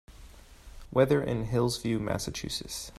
weather in Hillsview Massachusetts